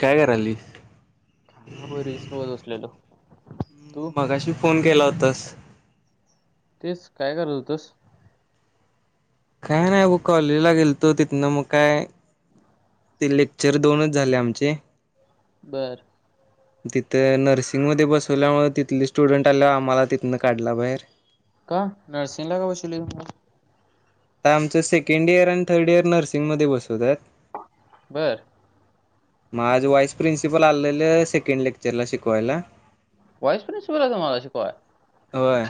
काय करालीस? काय नाय ब रेस बघत बसलेलो. तू? मगाशी, फोन केला होतास? तेच, काय करत होतास? काय नाही बघ, कॉलेजला गेलतो तिथनं मग काय ते लेक्चर, दोनच झाले आमचे बरं तिथं नर्सिंगमध्ये बसवल्यामुळ, तिथले स्टुडंट आल्यावर, आम्हाला तिथनं काढला बाहेर. का नरसिंगला का बशिवले तुम्हाला? आमचं सेकंड इयर आणि थर्ड इयर नर्सिंगमध्ये बसवतात. बर म आज वाइस प्रिन्सिपल आलेलं सेकंड लेक्चरला शिकवायला. वाईस प्रिंसिपल आलं तुम्हाला शिकवाय? व्हय,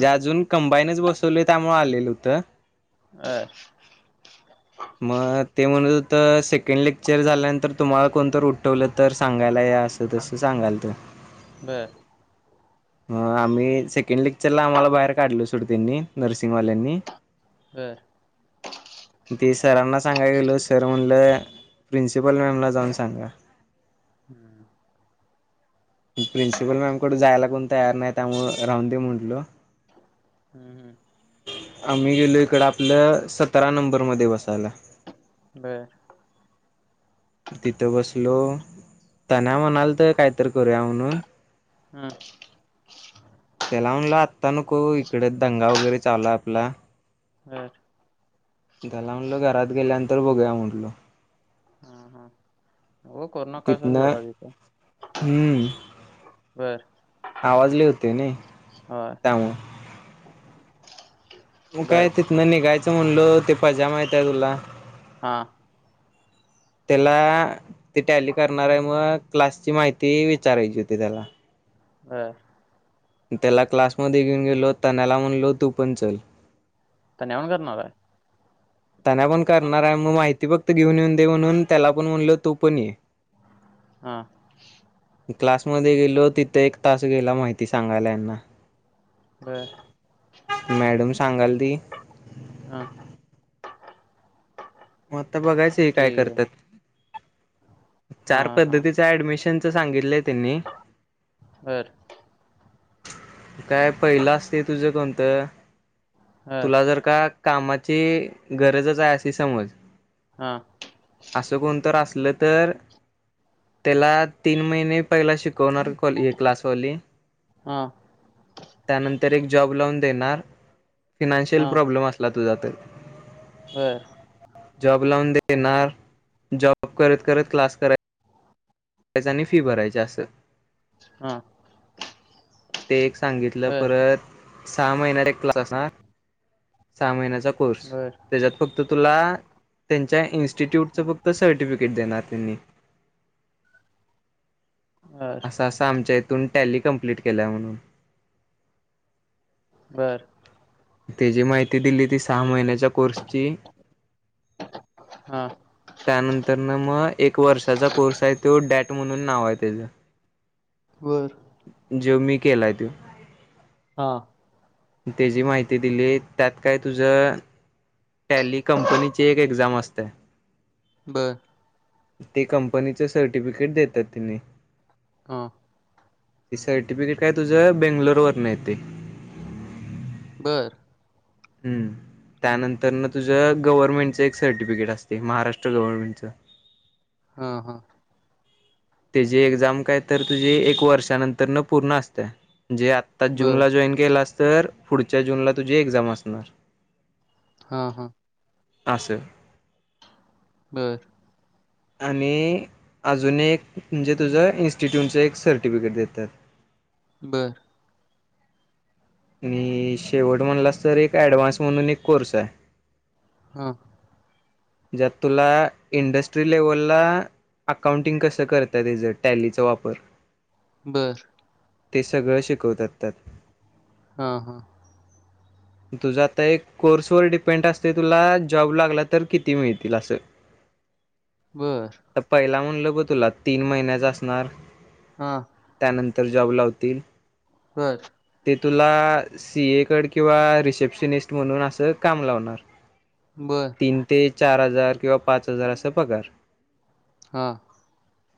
जे अजून कंबाईनच बसवले त्यामुळे आलेलं होतं. बर. [inaudible] म ते म्हणत हु त सेकंड लेक्चर झाल्यानंतर तुम्हाला कोणतर उठवलं तर सांगायला या. सर तसं सांगालत. बर. [inaudible] म आम्ही सेकंड लेक्चरला आम्हाला बाहेर काढल सोड त्यांनी नर्सिंगवाल्यांनी. व्हय. ते सरांना सांगाय गेल, सर म्हणलं प्रिन्सिपल मॅमला जाऊन सांगा. हम्म. [inaudible] प्रिन्सिपल मॅम कडे जायला कोण तयार नाय, त्यामुळ राहून दे म्हनलो. हम्म, हम्म आम्ही गेलो इकडं आपलं सतरा नंबरमध्ये बसायला. बर. तिथं बसलो, तण्या म्हणालत कायतर करूया म्हणून. हम्म. [inaudible] त्याला म्हनलं आत्ता नको इकड दंगा वगैरे चालू हाय आपला. ह. त्याला म्हणलं, घरात गेल्यानंतर बघूया म्हटलो. हम्, हम तितन [inaudible] हम्म बर. आवाज लई हुतोय नी होय. त्यामुळ मग काय बर. तिथंन निघायचं म्हणल ते पज्या माहित आहे तुला? हा. [inaudible] त्याला, ती टॅली करणार आहे, मग क्लासची माहिती विचारायची होती त्याला. ह. त्याला क्लासमध्ये घेऊन गेलो, तन्याला म्हणलो तू पण चल. न [unintelligible] करणार हाय तन्या पण करणारे, मग माहिती फक्त घेऊन, येऊन देउन त्याला पण म्हणल तू पण ये. हा. क्लासमध्ये गेलो तिथं एक तास गेला माहिती सांगायला ह्यांना. बर. मॅडम, सांगायल ह. मग आता बघायचं हे काय ठीक आहे. करतात. चार हां, हां. पद्धतीच ऍडमिशनच सांगितले त्यांनी. बर. काय पहिलं असतय तुझं कोणतं हं. तुला जर का कामाची गरजच आहे अशी समज, हां. असं कोणतर अस तर त्याला तीन महिने पहिला शिकवणार कॉले क्लासवाली, हा. तर एक जॉब लाउन देणार, फिनान्शियल हां. प्रॉब्लेम असला तुझा तर बर. जॉब लावून देणार जॉब करत करत क्लास कराय त्याजनी फी भरायची असं. हा. ते एक सांगितलं, परत सहा महिन्यात एक क्लास असा सहा महिन्या कोर्स बर. त्याच्यात फक्त तुला त्यांच्या इन्स्टिट्यूटच हां. फक्त सर्टिफिकेट देणार त्यांनी. बर. असं असं आमच्या तून टॅली कंप्लीट केला म्हणून. बर. ते जी माहिती दिली ती सहा महिन्याच्या कोर्सची हां. त्यानंतर न म एक वर्षाचा कोर्स आहे तो. टॉट म्हणून नाव आहे त्याज. बरं. ज्यो मी केलाय त्यो. हां. त्याजी माहिती दिली त्यात काय तुझं टॅली कंपनीची एक एक्झाम असते. बरं. ते कंपनीचं सर्टिफिकेट देतात तिने हा ते सर्टिफिकेट काय तुझं बेंगलोर वर नाही य ते [inaudible] बरं हम्म त्यानंतर ना तुझं गव्हर्नमेंटचं एक सर्टिफिकेट असते महाराष्ट्र गव्हर्नमेंटचं हां ह. त्यजी एक्झाम काय तर तुझी एक वर्षानंतर न पूर्ण असते. जे आत्ताच बर जूनला जॉईन केलंस तर पुढच्या जूनला तुझी एक्झाम असणार. हां हां. आस. बरं. आणि् अजून एक म्हणजे तुझं इन्स्टिट्यूटचं एक सर्टिफिकेट देतात. बर. आणि शेवट म्हणलास तर एक ऍडव्हान्स म्हणून एक कोर्से. हा. ज्यात तुला इंडस्ट्री लेवला अकाउंटिंग कसं करता [unintelligible] त त्याचं टॅलीचा वापर बर. ते सगळं शिकवतातात त्यात. हां हां. तुझा आता एक कोर्स वर डिपेंड असते तुला जॉब लागला तर किती मिळतील असं. बर त पहिला म्हणलं बो तुला तीन महिन्याच असणार. हा. तर जॉब लावतील. बर. ते तुला सीए कड किंवा रिसेप्शनिस्ट म्हणून अस काम लावणार. बर तीन ते चार हजार किंवा पाच हजार असा पगार. हा.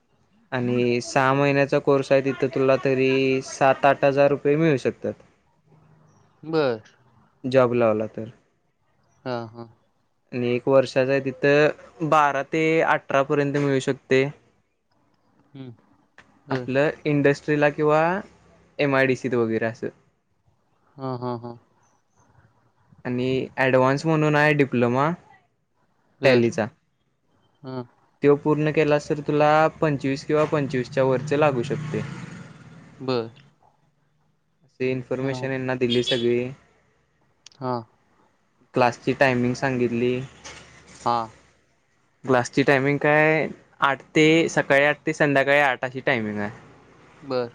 [inaudible] आणि सहा महिन्याचा कोर्स आहे तिथं तुला तरी सात आठ हजार रुपये मिळू शकतात. बर. जॉब लावला तर. हा हा. आणि एक वर्षाचा आहे तिथं बारा ते अठरा पर्यंत मिळू शकतेय. [inaudible] हम्म. आपलं इंडस्ट्रीला किंवा एमआय डीसीत वगैरे असं. हा ह हा. आणि ऍडव्हान्स म्हणून आहे डिप्लोमा. बर टॅलीचा हा त्योव पूर्ण केलास तर तुला पंचवीस किंवा पंचवीसच्या वरचे लागू शकतय. बर. ती हा इन्फर्मेशन यांना दिली सगळी. हा. क्लासची टायमिंग सांगितली. हा. क्लासची टायमिंग काय आठ ते सकाळी आठ ते संध्याकाळी आठ अशी टायमिंग आहे. बर.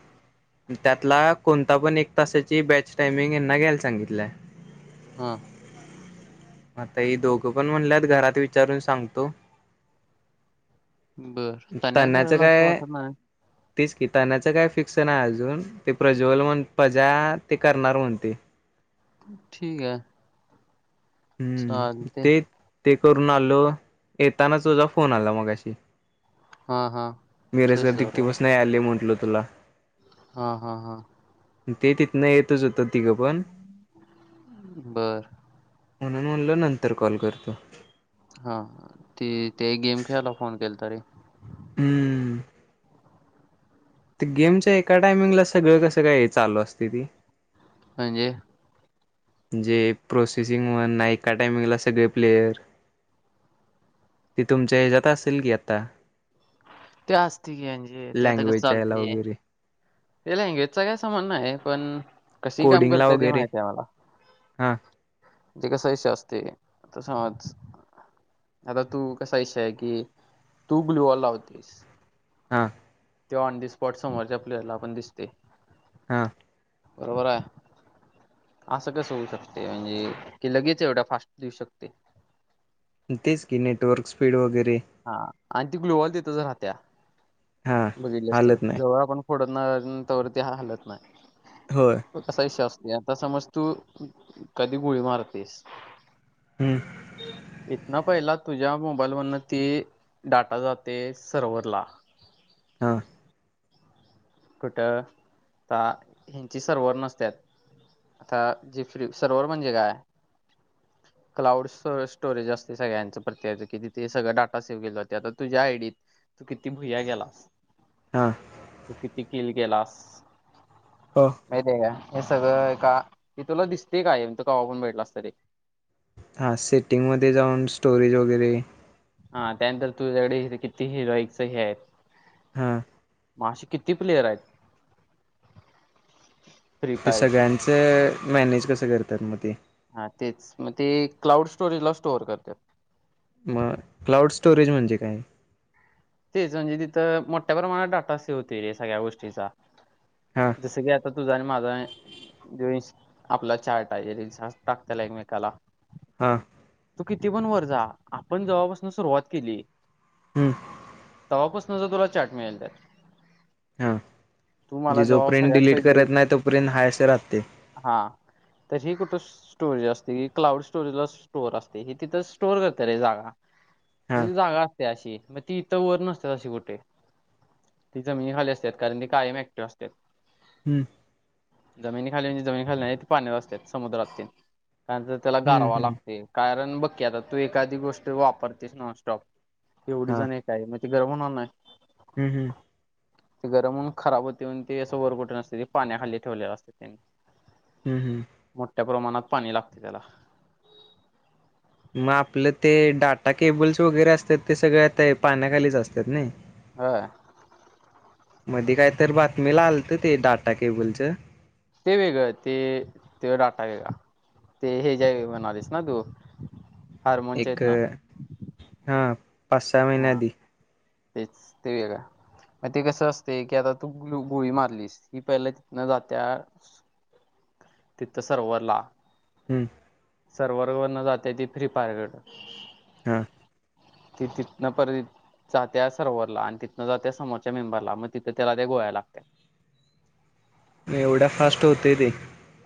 त्यातला कोणता पण एक तासाची बॅच टाइमिंग यांना घ्यायला सांगितलंय. हा. आता हे दोघं पण म्हणल्यात घरात विचारून सांगतो. बर तन्या तण्याचं करल असं काय वाटत नाही. तेच की तण्याचं काय फिक्स नाही अजून ते प्रज्वल म्हण पजा ते करणार म्हणतेय. ठीक आहे. हम्म चालतय. ते ते करून आलो येताना सुद्धा तुझा फोन आला मगाशी हा हा मिरज सशी टिकटी आहे बस नय आली म्हटल तुला हा हा हा. ते तिथनं येतच होतं तिघं पण. बर म्हणून म्हणलं नंतर कॉल करतो. हा ती ते गेम खेळायला फोन केलता रे हम्म. गेमच्या एका टायमिंगला सगळं कसं काय चालू असतय ते म्हणजे? जे प्रोसेसिंग म्हण नाही एका टायमिंगला सगळे प्लेयर ते तुमच्या ह्याज्यात असल की आत्ता. ते असतय की म्हणजे ते आता कस लँग्वेजच्या याला चालतय वगैरे ते लँग्वेजचा काही संबध नाही पण कशी काम कोडिंगला करतिया ते वगैरे माहती आहे मला. [inaudible] जे कस विषय असतय आता समज आता तू कसा इषय आहे कि तू ग्लुवा लावतेस. हा. ते ऑन दी स्पॉट समोरच्या प्लेअरला पण दिसते. हा. बरोबर आहे असं कस होऊ शकते म्हणजे की लगेच एवढा फास्ट देऊ शकते. तेच की नेटवर्क स्पीड वगैरे. हा आणि ती ग्लोवाल तितच राहात्या हां बघितली हालत असत नाही जवळ आपण फोडनं तवर ती हा हालत होय नाही कसा विषय असतो. ते आता समज तू कधी गोळी मारतीस. हम्म. इथन पहिला तुझ्या मोबाईल वरन ती डाटा जाते सर्वरला. हा. कुट ता ह्यांची सर्वर नसत्यात. आता जी फ्री सर्वर म्हणजे काय? [inaudible] क्लाउड स्टोरेज असते सगळ्यांचं प्रत्येच कि तिथे सगं डाटा सेव्ह केलं होते आता तुझ्या आयडीत. तू किती भुया गेलास. हा. तू किती किल गेलास हो माहित्या का. हे सगळं एका ती तुला दिसते कायम तु कवा पण बगीटलास तर ते. हा सेटिंग मध्ये जाऊन स्टोरेज वगैरे हा त्यानंतर तुझ्याकडे किती हिरोईच हे आहेत. हा. मशीे किती प्लेयर आहेत. फ्री ते फायरचे सगळ्यांचं मॅनेज कसं करतात मग ते. हा तेच मग ते क्लाउड स्टोरेज ला स्टोअर करतात. मग क्लाउड स्टोरेज म्हणजे काय? तेच म्हणजे तिथं मोठ्या प्रमाणात डाटा सेव होते रे सगळ्या गोष्टीचा. हां जसं की आता तुझा आणि माझा जोस आपला चार्ट आहे. [unintelligible] टाकत्याला एकमेकाला. हा. तू किती पण वर जा आपण जवळपासून सुरुवात केली. हम्म. तवापासनंच तुला चाट मिळेल त्यात. हं. तू म्हणजे मला जो जेव्हा पर्यंत सगळ्यात डिलीट पहिली करत नाही तो पर्यंत हाय अस राहते. हा तर हे कुठं स्टोरेज असते क क्लाउड स्टोरेज ला स्टोर असते हे तिथं स्टोर करत रे जागा. हा जागा असते अशी मग ती तर वर नसतात अशी कुठे ती जमिनी खाली असतात कारण ती कायम ऍक्टिव्ह असतात. हम्म. जमिनी खाली म्हणजे जमीन खाली नाही त पाण्यावर असतात समुद्रात तेन, कारण त्याला हम्म गारावा हम्म लागते. कारण बघकी आता तू एखादी गोष्ट वापरतेस नॉनस्टॉप एवढी हा जण एक का मग ते घरम होणार नाही [unintelligible] ते गरमून खराब होते म्ह ते असं वर कुठ न असते ते पाण्याखाली ठेवलेलं असते हम्म हम्म मोठ्या प्रमाणात पाणी लागते त्याला मग आपलं ते डाटा केबल्स वगैरे असतात ते सगळे आता पाण्याखालीच असतात नायी होय मधी कायते बातमीला आलत ते डाटा केबलच ते वेगळं ते ते डाटा वेगळा ते हे जे म्हणालेस ना तू हारमोनच्या इतन. पासा महिन्या आधी. तेच ते. मग ते कसं असते की आता तू गोळी मारलीस ती पहिला तिथन जात्या ह [inaudible] तिथ सर्वरला हम्म. सर्व्हर वर्ण जाते ती फ्री फायर करड हा. त तिथ न पर जात्या सर्वरला आणि तिथनं जात्या समोरच्या मेंबरला मग तिथं त्याला ते गोळाला लागत म एवढ्या फास्ट होतेय ते.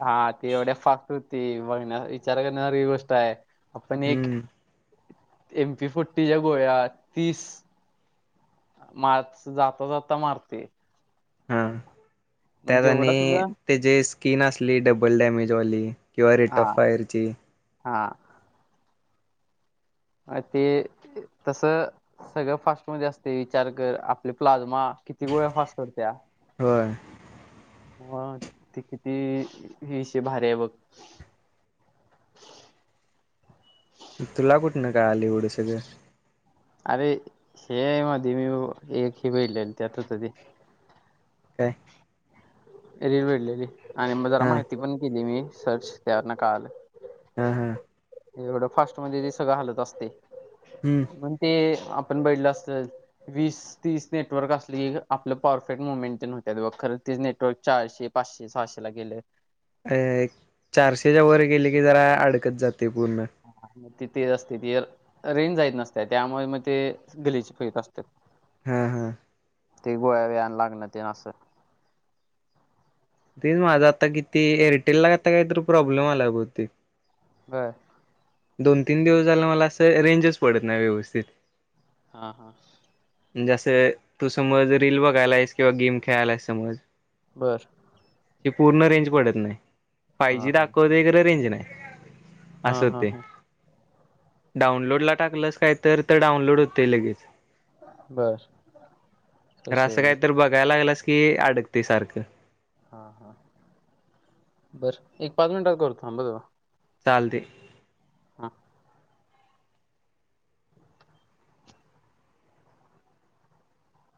हा ती एवढ्या फास्ट होती बघण्या विचार करण्या सारखी गोष्ट आहे. आपण एक हम्म एमपी फोर्टीच्या गोळ्या तीस मार जाता जाता मारतोय. हा त्यात आणि तुझं त्याची स्किन असली डबल डेमेजवाली. किंवा रेट हा ऑफ फायरची हा. अ ते तस सगळं फास्ट मध्ये असते विचार कर आपले प्लाझ्मा किती गोळ्या फास्ट होत्या. हो ह ते किती हश भारी आहे. बघ तुला कुठ न का आलीवढं सगळ अरे हे मध्ये मी एक ही बघितलेली त्यात होत ते. काय. रीड भेडलेली आणि मग जरा हा माहिती पण केली मी सर्च त्यावर काळा ल. हा हा एवढं फास्ट म ते सगळं हलत असते हम्म मण ते. आपण बैडलं अस वीस तीस नेटवर्क असले की आपलं परफेक्ट मुमेंट न्हत्या व तर ते नेटवर्क चारशे पाचशे सहाशे ला गेले. अ चारशेच्या वर गेले की जरा अडकत जाते पूर्ण. त तेज असते त रेन जायत नसते त्यामुळे मग ते गलीची फत असते. हम हा. ते गोव्या व या लागणार ते ना असं माझा आता किती एअरटेल ला आता काही तर प्रॉब्लेम आला बहुतेक होय. दोन तीन दिवस झाला मला असं रेंजच पडत नाही व्यवस्थित हा हा. जसं तू समज रील बघायला आहेस, किंवा गेम खेळायला आहेस समज बर. ची पूर्ण रेंज पडत नाही. फाय हा जी हा दाखवते खरं रेंज नाही. हा हा हा. डाऊनलोड ला टाकलंस काय तर. तर डाऊनलोड होतेय लगेच. बर तसे असं होय काही तर बघायला लागलस की अडकतय सारखं. हा हा बर एक पाच मिनिटात करतो थांब ह तुला. चालतय. हा.